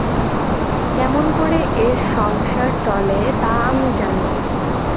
কেমন করে এর সংসার চলে তা আমি জানি।